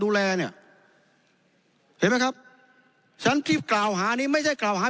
ดูแลเนี่ยเห็นไหมครับชั้นคลิปกล่าวหานี้ไม่ใช่กล่าวหา